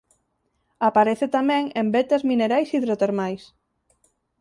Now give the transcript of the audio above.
Aparece tamén en vetas minerais hidrotermais.